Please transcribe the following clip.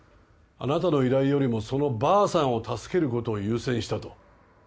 あなたの依頼よりもそのばあさんを助けることを優先したと。